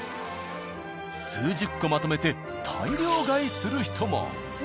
数十個まとめて大量買いする人も。